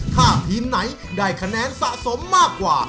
ถ้าทีมไหนได้คะแนนสะสมมากกว่า